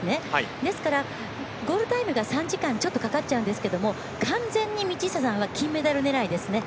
ですからゴールタイムが３時間ちょっとかかっちゃうんですけど完全に道下さんは金メダル狙いです。